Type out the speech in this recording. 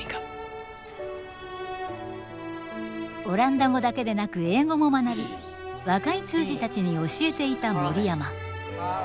オランダ語だけでなく英語も学び若い通詞たちに教えていた森山。